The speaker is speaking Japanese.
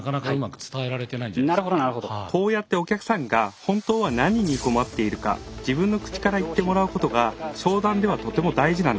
こうやってお客さんが本当は何に困っているか自分の口から言ってもらうことが商談ではとても大事なんです。